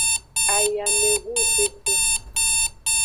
Ayamehunzexu.